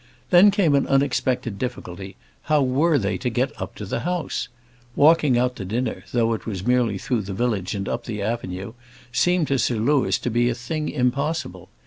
Then came an unexpected difficulty: how were they to get up to the house? Walking out to dinner, though it was merely through the village and up the avenue, seemed to Sir Louis to be a thing impossible.